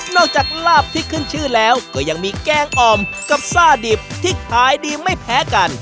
จากลาบที่ขึ้นชื่อแล้วก็ยังมีแกงอ่อมกับซ่าดิบที่ขายดีไม่แพ้กัน